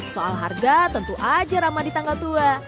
soal harga tentu aja ramah di tanggal tua